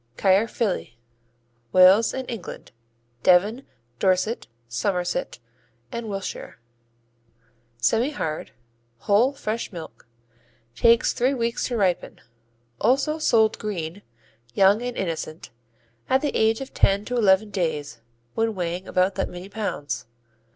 Caerphilly Wales and England Devon, Dorset, Somerset & Wilshire Semihard; whole fresh milk; takes three weeks to ripen. Also sold "green," young and innocent, at the age of ten to eleven days when weighing about that many pounds.